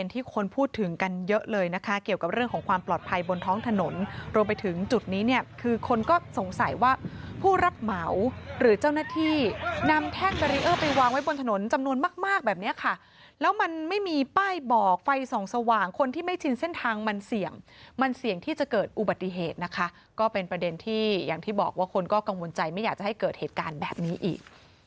ที่นำแท็กต์บารีเออร์ไปวางไว้บนถนนจำนวนมากแบบเนี้ยค่ะแล้วมันไม่มีป้ายบอกไฟสองสว่างคนที่ไม่ชินเส้นทางมันเสี่ยงมันเสี่ยงที่จะเกิดอุบัติเหตุนะคะก็เป็นประเด็นที่อย่างที่บอกว่าคนก็กังวลใจไม่อยากจะให้เกิดเหตุการณ์แบบนี้อีก